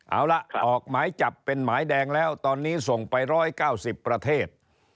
เอาละออกหมายจับเป็นหมายแดงแล้วตอนนี้ส่งไป๑๙๐ประเทศ